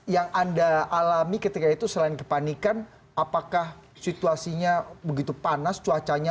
yang anda alami ketika itu selain kepanikan apakah situasinya begitu panas cuacanya